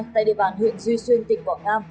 tại địa bàn huyện duy xuyên tỉnh quảng nam